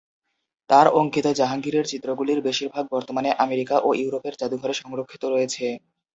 তাঁর অঙ্কিত জাহাঙ্গীরের চিত্রগুলির বেশিরভাগ বর্তমানে আমেরিকা ও ইউরোপের জাদুঘরে সংরক্ষিত রয়েছে।